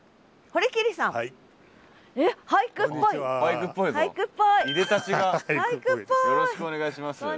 よろしくお願いします。